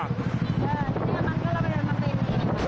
เออที่สาบานก็เลิกพี่เล่ามันเป็น